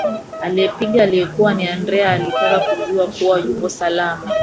Aliyepiga alikuwa ni Andrea akitaka kujua kuwa yupo salama